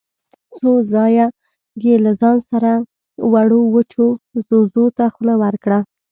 څو ځايه يې له ځان سره وړو وچو ځوځو ته خوله ورکړه.